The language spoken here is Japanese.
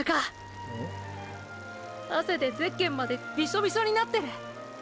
汗でゼッケンまでビショビショになってる。